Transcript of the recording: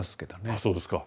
あそうですか。